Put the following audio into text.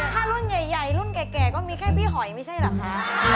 ถ้ารุ่นใหญ่รุ่นแก่ก็มีแค่พี่หอยไม่ใช่เหรอคะ